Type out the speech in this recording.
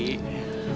selamat ya wi